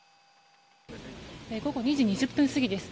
午後２時２０分過ぎです。